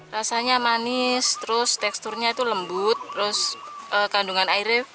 rasanya manis terus teksturnya itu lembut terus kandungan airnya